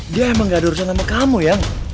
dia emang gak ada urusan sama kamu ya